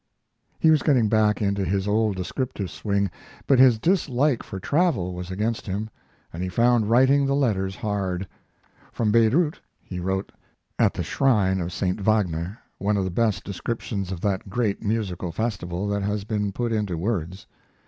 He was getting back into his old descriptive swing, but his dislike for travel was against him, and he found writing the letters hard. From Bayreuth he wrote "At the Shrine of St. Wagner," one of the best descriptions of that great musical festival that has been put into words.